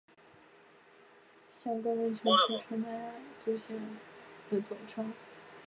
箱根温泉是神奈川县足柄下郡箱根町的温泉之总称。